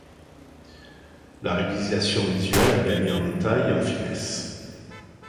La réalisation visuelle a gagné en détails et en finesse.